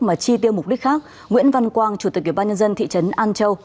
mà chi tiêu mục đích khác nguyễn văn quang chủ tịch ủy ban nhân dân thị trấn an châu